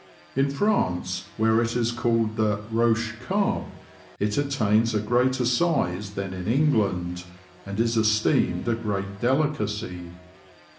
In France, where it is called the roche carpe, it attains a greater size than in England, and is esteemed a great delicacy.